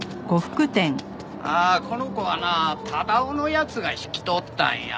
ああこの子はな忠男の奴が引き取ったんや。